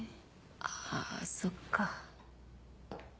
あぁそっか。